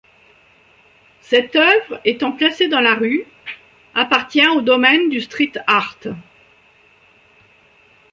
Cette œuvre, étant placée dans la rue, appartient au domaine du Street art.